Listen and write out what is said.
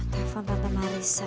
telepon bapak marissa